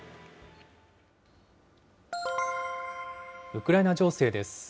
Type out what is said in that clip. ウクライナ情勢です。